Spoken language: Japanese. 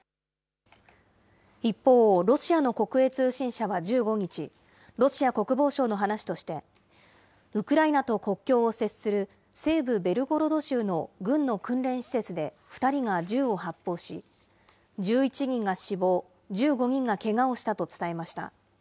一方、ロシアの国営通信社は１５日、ロシア国防省の話として、ウクライナと国境を接する西部ベルゴロド州の軍の訓練施設で２人が銃を発砲し、１１人が死亡、１５人がけがをしたと伝えました。